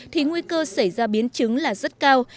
thì nguy cơ xảy ra biến chứng là rất cao